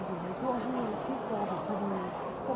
พี่คิดว่าเข้างานทุกครั้งอยู่หรือเปล่า